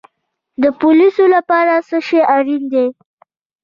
د پولیس لپاره څه شی اړین دی؟